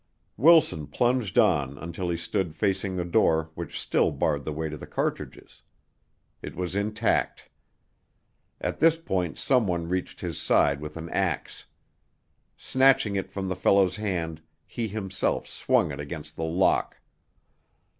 Wilson plunged on until he stood facing the door which still barred the way to the cartridges. It was intact. At this point someone reached his side with an axe. Snatching it from the fellow's hand he himself swung it against the lock.